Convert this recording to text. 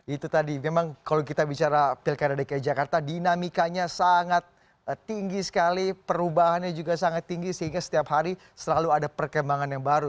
itu tadi memang kalau kita bicara pilkada dki jakarta dinamikanya sangat tinggi sekali perubahannya juga sangat tinggi sehingga setiap hari selalu ada perkembangan yang baru